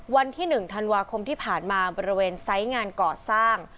วันที่๑ธันวาคมที่ผ่านมาบริเวณไซส์งานก่อสร้าง